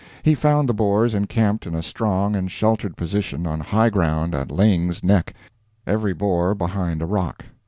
He found the Boers encamped in a strong and sheltered position on high ground at Laing's Nek every Boer behind a rock.